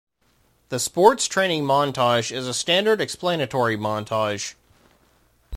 The sports training montage is a standard explanatory montage.